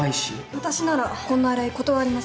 私ならこんな依頼、断ります。